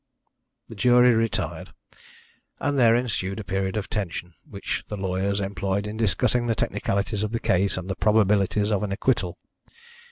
The jury retired, and there ensued a period of tension, which the lawyers employed in discussing the technicalities of the case and the probabilities of an acquittal.